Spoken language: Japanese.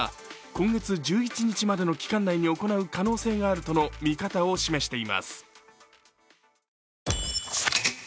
今月１１日までの期間内に行う可能性があるとの見方を示しています。